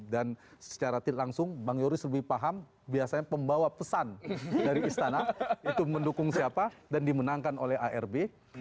dan secara langsung bang yoris lebih paham biasanya pembawa pesan dari istana itu mendukung siapa dan dimenangkan oleh arb